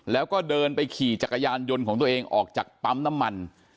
แล้วก็เดินไปขี่จักรยานยนต์ของตัวเองออกจากปั๊มน้ำมัน